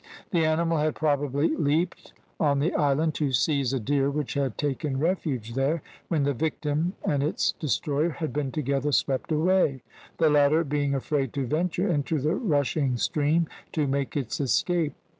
The animal had probably leaped on the island to seize a deer which had taken refuge there, when the victim and its destroyer had been together swept away, the latter being afraid to venture into the rushing stream to make its escape.